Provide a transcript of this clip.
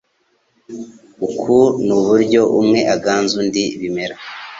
Uku nuburyo umwe aganza undi ibimera